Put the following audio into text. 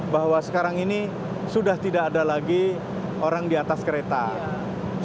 bahwa sekarang ini sudah tidak ada lagi orang di atas kereta